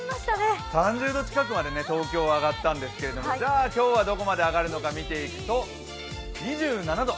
３０度近くまで東京、上がったんですけれども今日はどこまで上がるのか見ていくと、２７度。